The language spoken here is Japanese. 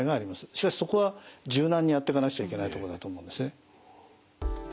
しかしそこは柔軟にやっていかなくちゃいけないとこだと思いますね。